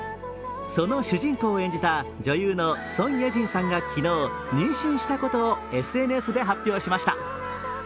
その主人公を演じた女優のソン・イェジンさんが妊娠したことをＳＮＳで発表しました